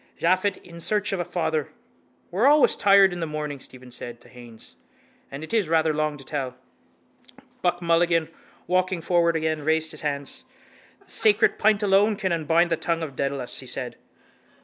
Japhet in search of a father! —We're always tired in the morning, Stephen said to Haines. And it is rather long to tell. Buck Mulligan, walking forward again, raised his hands. —The sacred pint alone can unbind the tongue of Dedalus, he said.